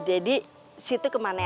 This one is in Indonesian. deddy situ kemana aja sih